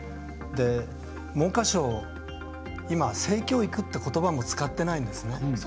文科省、今、性教育ってことばも使ってないんですね。